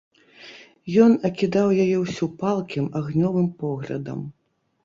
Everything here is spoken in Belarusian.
Ён акідаў яе ўсю палкім, агнёвым поглядам.